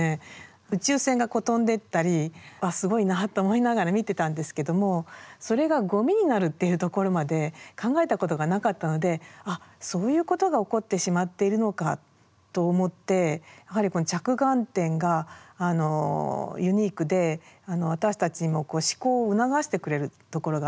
宇宙船が飛んでったり「あっすごいな」と思いながら見てたんですけどもそれがゴミになるっていうところまで考えたことがなかったので「あっそういうことが起こってしまっているのか」と思ってやはり着眼点がユニークで私たちにも思考を促してくれるところがあって。